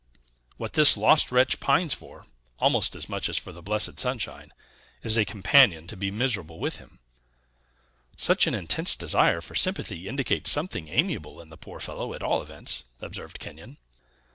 What this lost wretch pines for, almost as much as for the blessed sunshine, is a companion to be miserable with him." "Such an intense desire for sympathy indicates something amiable in the poor fellow, at all events," observed Kenyon.